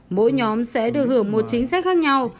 mỗi nhóm sẽ được hưởng một chính sách khác nhau